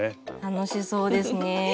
楽しそうですね。